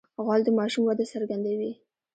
غول د ماشوم وده څرګندوي.